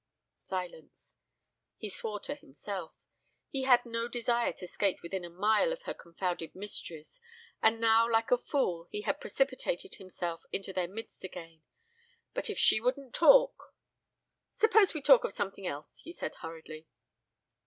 Silence. He swore to himself. He had no desire to skate within a mile of her confounded mysteries and now like a fool he had precipitated himself into their midst again. But if she wouldn't talk. ... "Suppose we talk of something else," he said hurriedly.